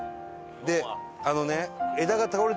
であのね。